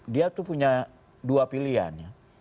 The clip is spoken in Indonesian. dia tuh punya dua pilihan ya